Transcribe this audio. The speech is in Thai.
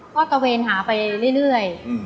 ก็ตะเวนหาไปเรื่อย